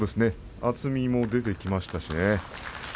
厚みも出てきました。